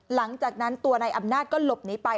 หลังจากนั้นตัวนายอำนาจก็หลบหนีไป